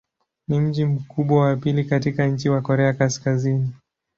Ni mji mkubwa wa pili katika nchi wa Korea Kaskazini.